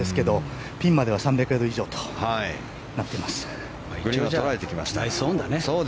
ピンまでは３００ヤードとなっています。